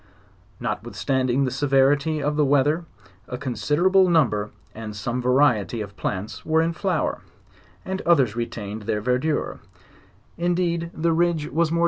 Notwithstanding the severity of the weather, a considera ble number, and some variety of plants were in flower, and others retained their verdure; indeed the ridge was more LEWIS AND CLARKE.